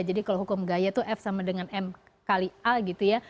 jadi kalau hukum gaya itu f sama dengan m kali a gitu ya